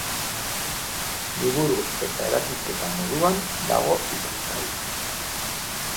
Liburu eta erakusketa moduan dago ikusgai.